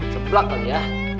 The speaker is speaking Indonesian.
seplak kali ya